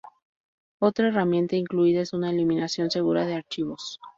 Otra herramienta incluida es una eliminación segura de archivos.